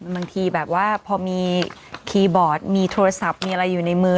บางทีแบบว่าพอมีคีย์บอร์ดมีโทรศัพท์มีอะไรอยู่ในมือ